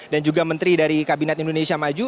dan juga menteri dari kabinet indonesia maju